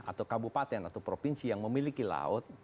atau kabupaten atau provinsi yang memiliki laut